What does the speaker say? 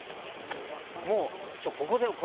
「もうここで。